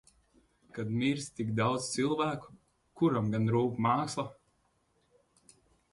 Kad mirst tik daudz cilvēku, kuram gan rūp māksla?